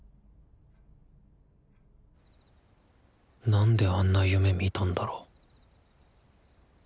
なんであんな夢見たんだろう